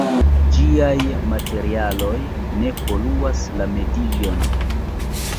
Ĝiaj materialoj ne poluas la medion.